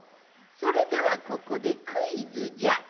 それではここでクイズじゃ。